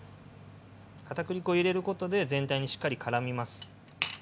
かたくり粉を入れることで全体にしっかりからみます。